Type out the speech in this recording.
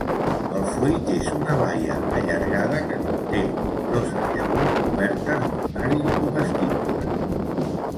El fruit és una baia allargada que conté nombroses llavors cobertes d'un aril comestible.